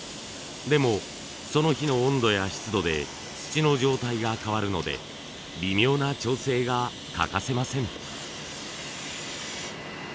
でもその日の温度や湿度で土の状態が変わるので微妙な調整が欠かせません。